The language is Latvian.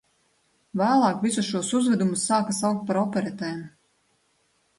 Vēlāk visus šos uzvedumus sāka saukt par operetēm.